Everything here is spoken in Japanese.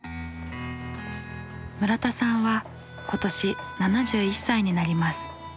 村田さんは今年７１歳になります。